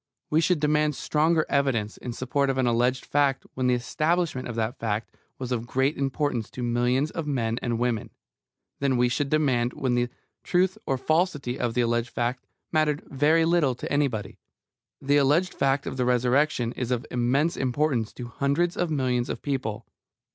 We should demand stronger evidence in support of an alleged fact when the establishment of that fact was of great importance to millions of men and women, than we should demand when the truth or falsity of the alleged fact mattered very little to anybody. The alleged fact of the Resurrection is of immense importance to hundreds of millions of people.